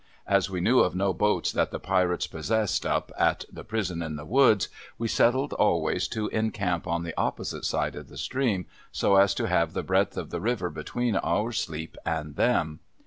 As we knew of no boats that the Pirates possessed, up at the Prison in the Woods, we settled always to encamp on the opposite side of the stream, so as to have the breadth of the river between our sleep and them.